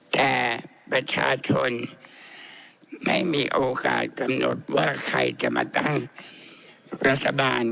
แต่ประชาชนไม่มีโอกาสกำหนดว่าใครจะมาตั้งรัฐบาล